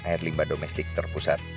air limba domestik terpusat